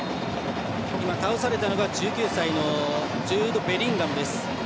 倒されたのが１９歳のジュード・ベリンガムです。